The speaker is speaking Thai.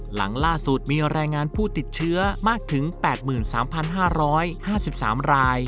หลังล่าสุดมีรายงานผู้ติดเชื้อมากถึง๘๓๕๕๓ราย